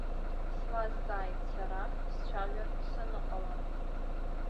Слазҵааит сара, сцәажәартә саныҟала.